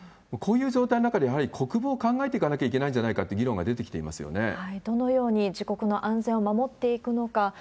こういう状態の中で、やはり国防を考えていかなきゃいけないんじゃないかって議論が出どのように自国の安全を守っていくのか。